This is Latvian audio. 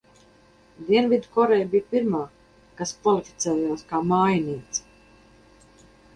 Dienvidkoreja bija pirmā, kas kvalificējās kā mājiniece.